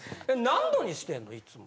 何度にしてんのいつも？